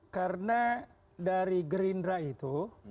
karena dari gerindra itu